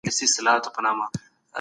ستاسو په سترګو کي به د امید رڼا وي.